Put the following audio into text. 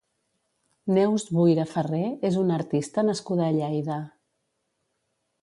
Neus Buira Ferré és una artista nascuda a Lleida.